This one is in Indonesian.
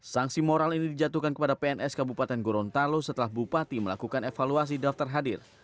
sanksi moral ini dijatuhkan kepada pns kabupaten gorontalo setelah bupati melakukan evaluasi daftar hadir